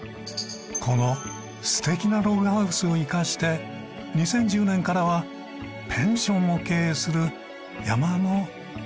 この素敵なログハウスを生かして２０１０年からはペンションを経営する山の主に。